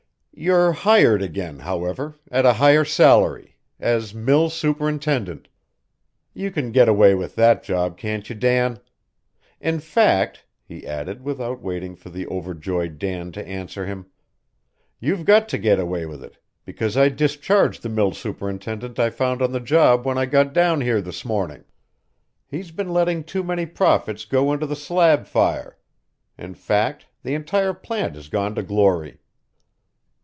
"You're hired again, however, at a higher salary, as mill superintendent. You can get away with that job, can't you, Dan? In fact," he added without waiting for the overjoyed Dan to answer him, "you've got to get away with it, because I discharged the mill superintendent I found on the job when I got down here this morning. He's been letting too many profits go into the slab fire. In fact, the entire plant has gone to glory.